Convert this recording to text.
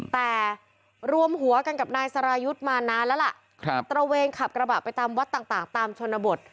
แต่รวมหัวกันกับนายสรายุทธ์มานานแล้วล่ะตระเวนขับกระบะไปตามวัดต่างตามชนบท